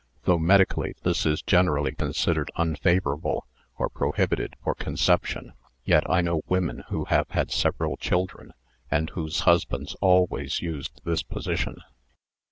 Though medically this is generally considered un favourable or prohibitive for conception, yet I know women who have had several children and whose husbands always used this position.